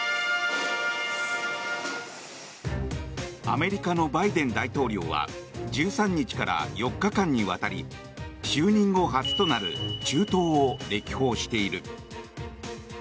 アメリカのバイデン大統領は１３日から４日間にわたり就任後初となる中東を歴訪している。